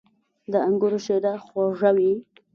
• د انګورو شیره خوږه وي.